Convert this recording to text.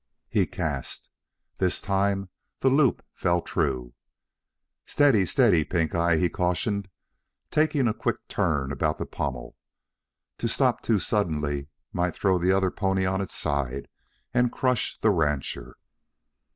He cast. This time the loop fell true. "Steady! steady! Pink eye," he cautioned, taking a quick turn about the pommel. To stop too suddenly might throw the other pony on its side and crush the rancher.